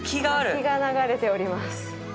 滝が流れております。